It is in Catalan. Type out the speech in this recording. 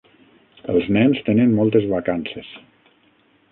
Els nens tenen moltes vacances.